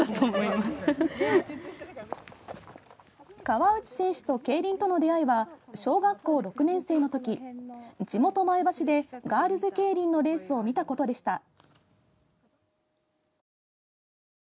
河内選手と競輪との出会いは小学校６年生のとき地元・前橋でガールズケイリンのレースを見たことでした。